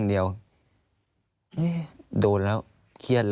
อันดับ๖๓๕จัดใช้วิจิตร